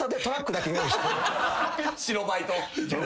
白バイと。